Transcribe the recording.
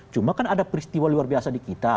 cuma kan ada peristiwa luar biasa di kita